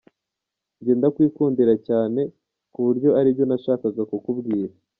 Njye ndakwikundira cyane, ku buryo ari byo nashakaga kukubwira”.